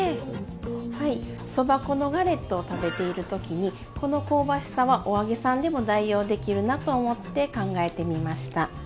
そば粉のガレットを食べている時にこの香ばしさはお揚げさんでも代用できるなと思って考えてみました。